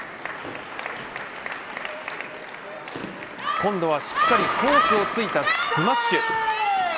今度はしっかりコースをついたスマッシュ。